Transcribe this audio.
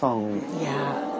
いや。